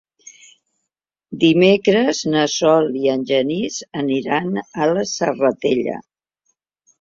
Dimecres na Sol i en Genís aniran a la Serratella.